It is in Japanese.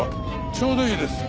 ちょうどいいです。